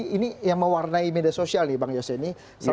ini yang mewarnai media sosial nih bang yose ini